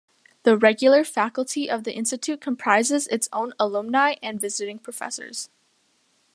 The regular faculty of the institute comprises its own alumni and visiting professors.